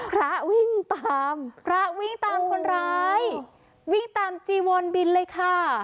พระวิ่งตามพระวิ่งตามคนร้ายวิ่งตามจีวอนบินเลยค่ะ